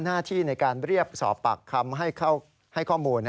หน้าที่ในการเรียกสอบปากคำให้ข้อมูล